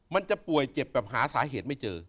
มันจะป่วยเจ็บแบบหาสาเหตุไม่เจอ